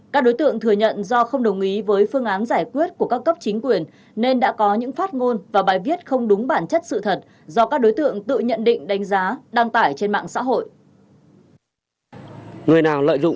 các đối tượng thừa nhận do không đồng ý với phương án giải quyết của các cấp chính quyền nên đã có những phát ngôn và bài viết không đúng bản chất sự thật do các đối tượng tự nhận định đánh giá đăng tải trên mạng xã hội